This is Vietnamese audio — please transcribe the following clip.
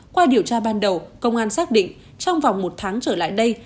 qua điều tra ban đầu công an xác định trong vòng một tháng trở lại đây